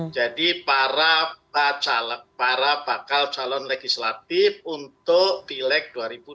jadi para bakal calon legislatif untuk pileg dua ribu dua puluh empat